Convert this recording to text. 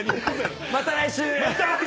また来週！